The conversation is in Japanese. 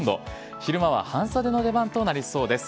昼間は半袖の出番となりそうです。